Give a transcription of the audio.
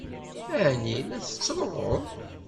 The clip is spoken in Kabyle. Ɛni la tettruḍ?